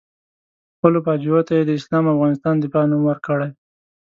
خپلو فجایعو ته یې د اسلام او افغانستان د دفاع نوم ورکړی.